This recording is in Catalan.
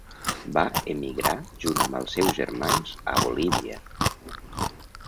Va emigrar junt amb els seus germans a Bolívia.